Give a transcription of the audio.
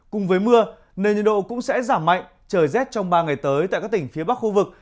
cùng với mưa nền nhiệt độ cũng sẽ giảm mạnh trời rét trong ba ngày tới tại các tỉnh phía bắc khu vực